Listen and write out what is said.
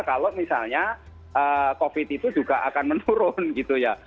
kalau misalnya covid itu juga akan menurun gitu ya